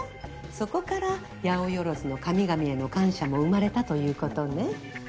そこからやおよろずの神々への感謝も生まれたということね。